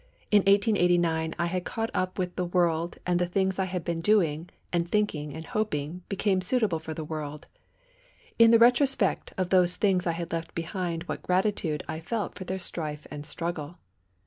In 1889 I had caught up with the world and the things I had been doing and thinking and hoping became suitable for the world. In the retrospect of those things I had left behind what gratitude I felt for their strife and struggle!